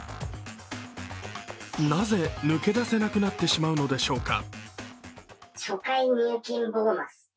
なぜ抜け出せなくなってしまうのでしょうか。